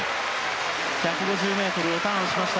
１５０ｍをターンしました。